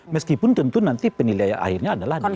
meskipun tentu nanti penilai akhirnya adalah di bega